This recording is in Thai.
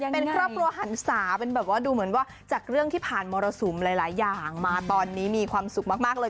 เป็นครอบครัวหันศาเป็นแบบว่าดูเหมือนว่าจากเรื่องที่ผ่านมรสุมหลายอย่างมาตอนนี้มีความสุขมากเลย